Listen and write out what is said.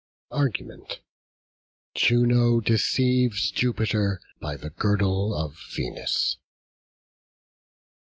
ARGUMENT. JUNO DECEIVES JUPITER BY THE GIRDLE OF VENUS.